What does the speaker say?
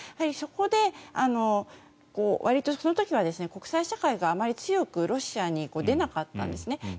そこでわりとその時は国際社会があまり強くロシアに出なかったんですね。